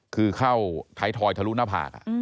คือเข้าท้ายทอยทะลุหน้าผาก